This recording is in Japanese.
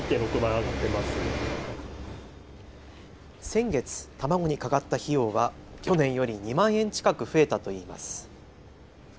先月、卵にかかった費用は去年より２万円近く増えたといいます。